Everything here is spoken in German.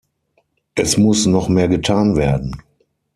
Es muss noch mehr getan werden.